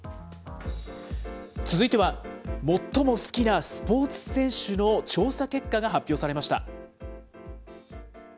続いては最も好きなスポーツ選手の調査結果が発表されました。